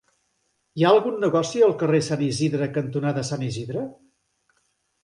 Hi ha algun negoci al carrer Sant Isidre cantonada Sant Isidre?